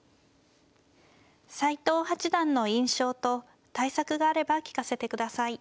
斎藤八段の印象と対策があれば聞かせてください。